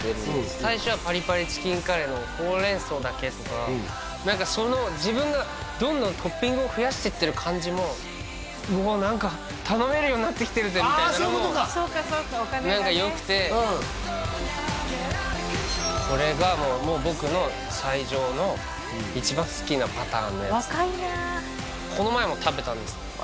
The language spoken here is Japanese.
最初はパリパリチキンカレーのほうれん草だけとか何かその自分がどんどんトッピングを増やしてってる感じももう何か頼めるようになってきてるぜみたいなのもあそういうことかそうかそうかお金がね何かよくてうんこれが僕の最上の一番好きなパターンのやつ若いなこの前も食べたんですわ